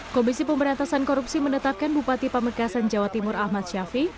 komisi pemberantasan korupsi menetapkan bupati pamekasan jawa timur ahmad syafi